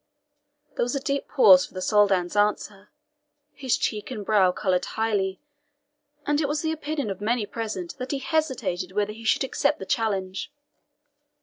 There was a deep pause for the Soldan's answer. His cheek and brow coloured highly, and it was the opinion of many present that he hesitated whether he should accept the challenge.